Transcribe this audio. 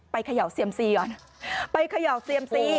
เขย่าเซียมซีก่อนไปเขย่าเซียมซี